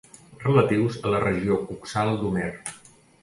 Relatius a la regió coxal d'Homer.